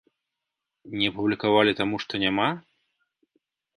Не апублікавалі, таму што няма?